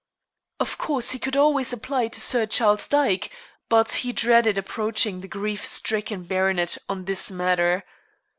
Of course, he could always apply to Sir Charles Dyke, but he dreaded approaching the grief stricken baronet on this matter.